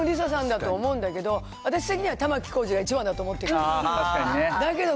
私もリサさんだと思うんだけど、私的には玉置浩二が一番だと思ってる。